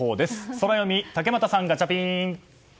ソラよみ竹俣さん、ガチャピン！